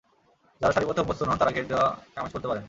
যাঁরা শাড়ি পরতে অভ্যস্ত নন, তাঁরা ঘের দেওয়া কামিজ পরতে পারেন।